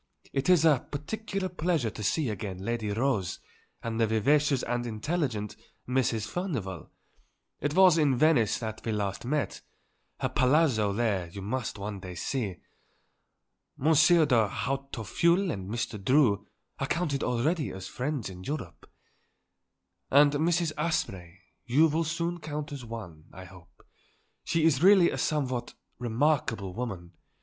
It is a particular pleasure to see again Lady Rose and the vivacious and intelligent Mrs. Furnivall; it was in Venice that we last met; her Palazzo there you must one day see. Monsieur de Hautefeuille and Mr. Drew I counted already as friends in Europe." "And Mrs. Asprey you will soon count as one, I hope. She is really a somewhat remarkable woman.